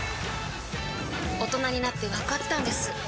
大人になってわかったんです